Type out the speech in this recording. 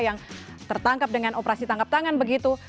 yang tertangkap dengan operasi tangkap tangan begitu